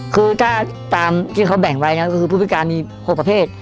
คือถ้าตามที่เขาแบ่งไว้นะก็คือผู้พิการมี๖ประเภท